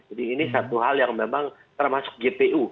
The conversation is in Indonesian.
jadi ini satu hal yang memang termasuk gpu